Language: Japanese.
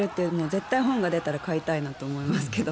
絶対、本が出たら買いたいなと思いますが。